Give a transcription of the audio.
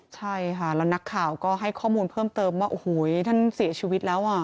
ใช่ค่ะแล้วนักข่าวก็ให้ข้อมูลเพิ่มเติมว่าโอ้โหท่านเสียชีวิตแล้วอ่ะ